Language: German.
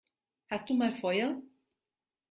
Hast du mal Feuer?